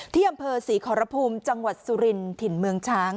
ที่อำเภอศรีขอรภูมิจังหวัดสุรินถิ่นเมืองช้าง